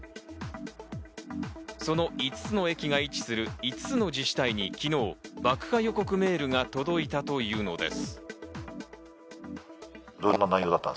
その５つの駅が位置する５つの自治体に昨日を爆破予告メールが届いたというのです。